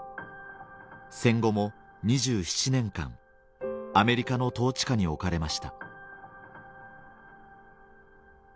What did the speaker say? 戦後も２７年間アメリカの統治下に置かれました